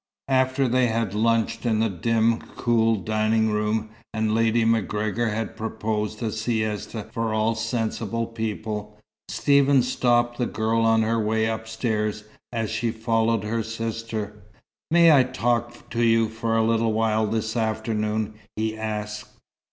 After they had lunched in the dim, cool dining room, and Lady MacGregor had proposed a siesta for all sensible people, Stephen stopped the girl on her way upstairs as she followed her sister. "May I talk to you for a little while this afternoon?" he asked.